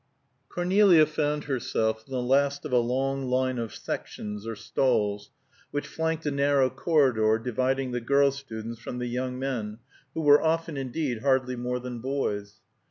Cornelia found herself in the last of a long line of sections or stalls which flanked a narrow corridor dividing the girl students from the young men, who were often indeed hardly more than boys.